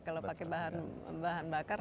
kalau pakai bahan bakar